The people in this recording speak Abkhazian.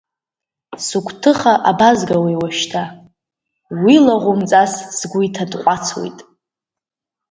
Сыгәҭыха абазгауеи уажәшьҭа, уи лаӷәымҵас сгәы иҭатҟәацуеит…